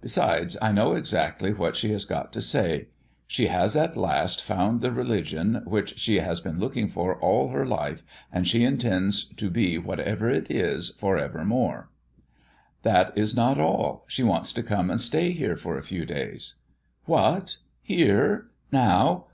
Besides, I know exactly what she has got to say. She has at last found the religion which she has been looking for all her life, and she intends to be whatever it is for evermore." "That is not all. She wants to come and stay here for a few days." "What! Here? Now?